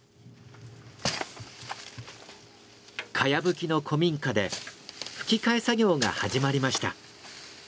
茅葺の古民家で葺き替え作業が始まりました。